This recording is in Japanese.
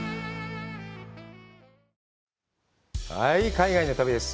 海外の旅です。